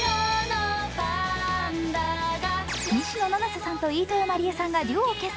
西野七瀬さんと飯豊まりえさんがデュオを結成。